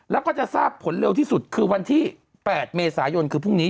แล้วก็จะทราบผลเร็วที่สุดคือวันที่๘เมษายนคือพรุ่งนี้